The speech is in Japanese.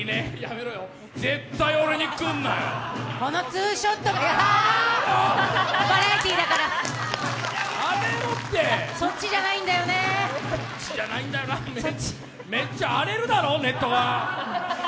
めっちゃ荒れるだろ、ネットが。